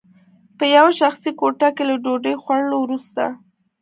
په یوه شخصي کوټه کې له ډوډۍ خوړلو وروسته